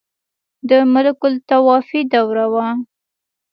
• د ملوکالطوایفي دوره وه.